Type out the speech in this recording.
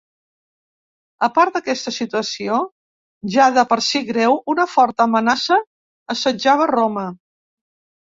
A part d'aquesta situació, ja de per si greu, una forta amenaça assetjava Roma.